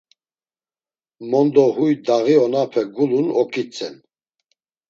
Mondo huy daği onape gulun oǩitzen.